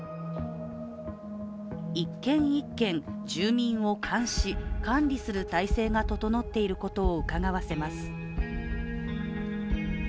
一軒一軒、住民を監視・管理する体制が整っていることをうかがわせます。